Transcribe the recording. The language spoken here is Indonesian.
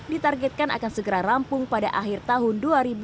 ditargetkan akan segera rampung pada akhir tahun dua ribu dua puluh